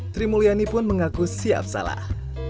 sri mulyani pun mengaku siap salah